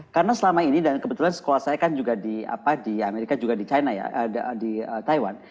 karena selama ini dan kebetulan sekolah saya kan juga di amerika juga di taiwan